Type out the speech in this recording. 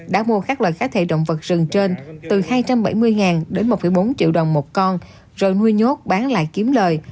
đã mua các loại cá thể động vật rừng trên từ hai trăm bảy mươi đến một bốn triệu đồng một con rồi nuôi nhốt bán lại kiếm lời